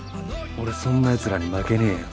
俺そんなやつらに負けねえよ。